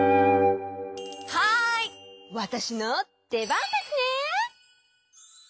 はいわたしのでばんですね！